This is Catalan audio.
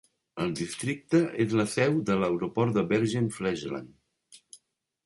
El districte és la seu de l'aeroport de Bergen-Flesland.